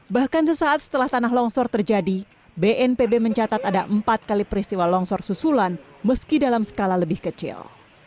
bahkan sesaat setelah tanah longsor terjadi bnpb mencatat ada empat kali peristiwa longsor susulan meski dalam skala lebih kecil